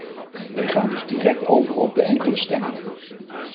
Wij gaan dus direct over op de enkele stemming.